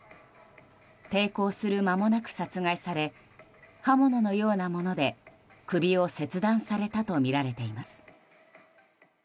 抵抗する間もなく殺害され刃物のようなもので首を切断されたとみられています。